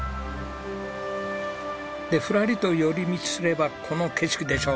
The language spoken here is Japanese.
でフラリと寄り道すればこの景色でしょ。